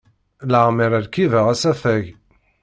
Laɛmeṛ rkibeɣ asafag.